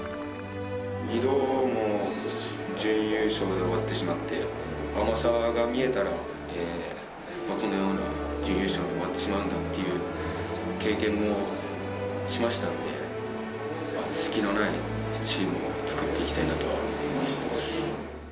２度も準優勝で終わってしまって、甘さが見えたら、準優勝に終わってしまうんだっていう経験もしましたんで、隙のないチームを作っていきたいなとは思ってます。